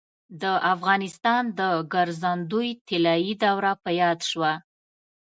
د افغانستان د ګرځندوی طلایي دوره په یاد شوه.